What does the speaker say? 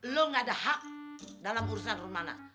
lu gak ada hak dalam urusan rumana